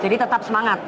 jadi tetap semangat